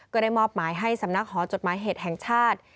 ก็ได้มอบหมายให้สำนักหอจดหมายเหตุแห่งชาติ